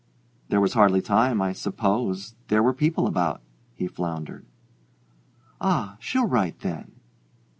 "There was hardly time, I suppose there were people about " he floundered. "Ah, she'll write, then."